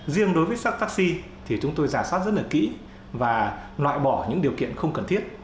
riêng đối với xe taxi thì chúng tôi giả soát rất là kỹ và loại bỏ những điều kiện không cần thiết